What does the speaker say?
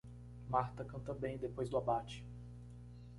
Marta canta bem depois do abate.